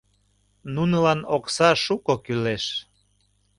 Нунылан окса шуко кӱлеш.